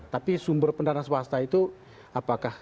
tapi sumber pendana swasta itu apakah